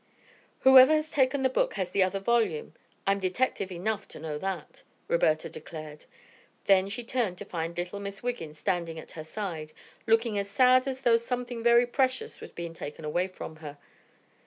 "Whoever has taken the book has the other volume. I'm detective enough to know that," Roberta declared. Then she turned to find little Miss Wiggin standing at her side looking as sad as though something very precious was being taken away from her.